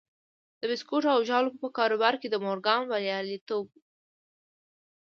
د بيسکويټو او ژاولو په کاروبار کې د مورګان برياليتوب و.